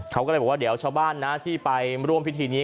เขาก็เลยบอกว่าเดี๋ยวชาวบ้านนะที่ไปร่วมพิธีนี้